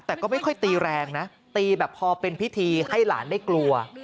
แต่ก็ไม่ค่อยตีแรงนะตีแบบพอเป็นพิธีให้หลานได้กลัว